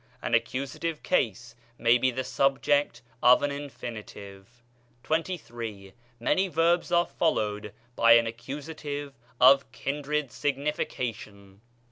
An accusative case may be the subject of an infinitive. XXIII. Many verbs are followed by an accusative of kindred sig nification.